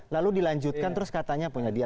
lalu dilanjutkan terus katanya punya dia